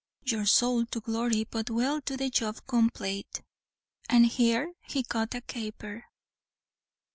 your sowl to glory but well do the job complate" and here he cut a caper.